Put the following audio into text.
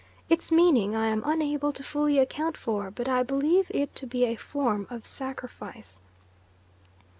Its meaning I am unable to fully account for, but I believe it to be a form of sacrifice.